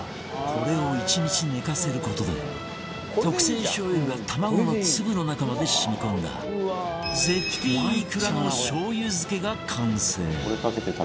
これを１日寝かせる事で特製しょう油が卵の粒の中まで染み込んだ絶品イクラのしょう油漬けが完成